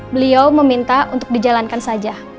beliau meminta untuk dijalankan saja